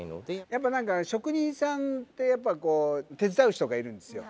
やっぱり何か職人さんってやっぱこう手伝う人がいるんですよ。